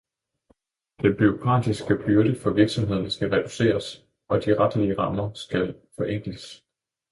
Den bureaukratiske byrde for virksomhederne skal reduceres, og de retlige rammer skal forenkles.